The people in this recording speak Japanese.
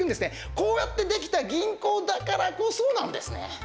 こうやってできた銀行だからこそなんですね。